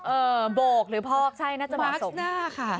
เออโบกหรือพอกมาร์คหน้าค่ะใช่น่าจะมาส่ง